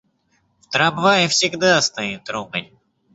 В трамвае всегда стоит ругань.